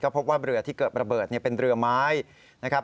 พบว่าเรือที่เกิดระเบิดเป็นเรือไม้นะครับ